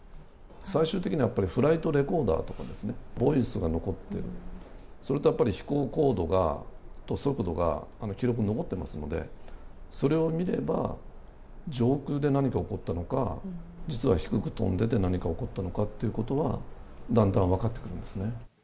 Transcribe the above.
最終的にはこれ、フライトレコーダーとかですね、ボイスが残ってる、それとやっぱり、飛行高度と速度が記録に残ってますので、それを見れば、上空で何か起こったのか、実は低く飛んでて何か起こったのかっていうことはだんだん分かってくるんですね。